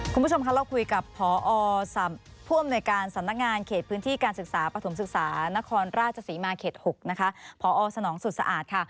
คุณผู้ชมคะเราคุยกับพอผู้อำนวยการสำนักงานเขตพื้นที่การศึกษาปฐมศึกษานครราชศรีมาเขต๖นะคะพอสนองสุดสะอาดค่ะ